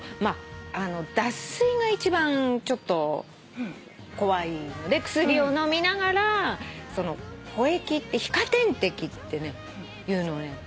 脱水が一番ちょっと怖いので薬を飲みながら補液って皮下点滴っていうのをね